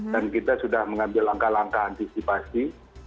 dan kita sudah mengambil langkah langkah antisipasi